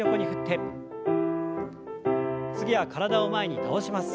次は体を前に倒します。